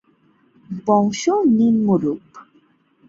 বংশ নিম্নরূপ,